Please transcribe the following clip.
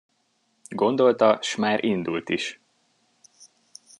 Gondolta, s már indult is.